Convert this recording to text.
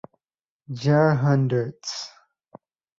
Jahrhunderts.